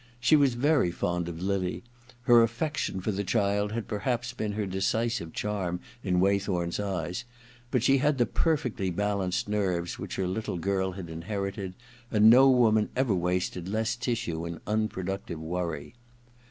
She was very fond of Lily — her affection for the child had perhaps been her decisive charm in Waythorn*s eyes — but she had the perfectly balanced nerves which her little girl had inherited, and no woman ever wasted less tissue in unproductive worry.